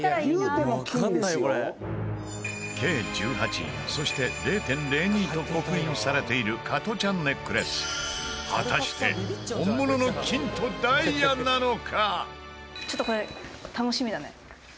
「Ｋ１８」そして「０．０２」と刻印されている加トちゃんネックレス果たして本物の金とダイヤなのか？